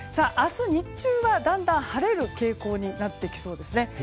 明日日中はだんだん晴れる傾向になってきそうですね。